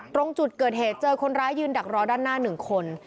ตรงจุดเกิดเหตุเจอคนร้ายยืนดักรอด้านหน้า๑คน